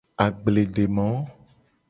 Agbledemo.